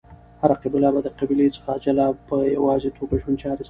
هره قبیله به د قبیلی څخه جلا په یواځی توګه ژوند چاری سمبالولی